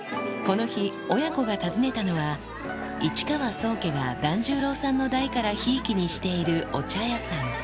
この日、親子が訪ねたのは、市川宗家が團十郎さんの代からひいきにしているお茶屋さん。